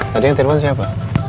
tadi yang telfon siapa